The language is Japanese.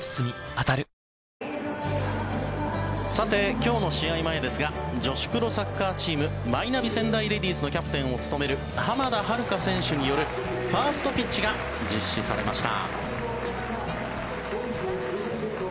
今日の試合前ですが女子プロサッカーチームマイナビ仙台レディースのキャプテンを務める浜田遥選手によるファーストピッチが実施されました。